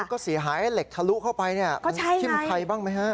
ก็เสียหายไอ้เหล็กทะลุเข้าไปเนี่ยมันทิ้มใครบ้างไหมฮะ